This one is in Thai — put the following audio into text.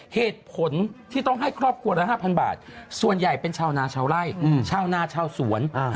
เหตุผลที่ต้องให้ครอบครัวละ๕๐๐บาทส่วนใหญ่เป็นชาวนาชาวไล่ชาวนาชาวสวน